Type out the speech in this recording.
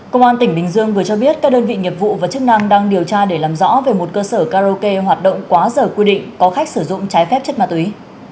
công an tỉnh bình dương vừa cho biết các đơn vị nghiệp vụ và chức năng đang điều tra để làm rõ về một cơ sở karaoke hoạt động quá giờ quy định có khách sử dụng trái phép chất ma túy